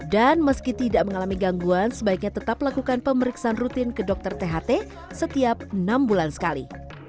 dan meski tidak mengalami gangguan sebaiknya tetap lakukan pemeriksaan rutin ke dokter tht setiap enam bulan sekali